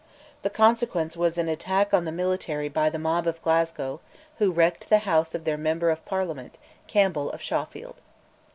The consequence was an attack on the military by the mob of Glasgow, who wrecked the house of their Member in Parliament, Campbell of Shawfield.